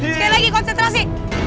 sekali lagi konsentrasi